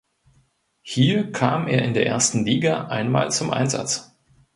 Hier kam er in der ersten Liga einmal zum Einsatz.